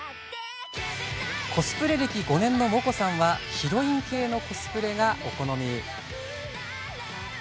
コスプレ歴５年のもこさんはヒロイン系のコスプレがお好み。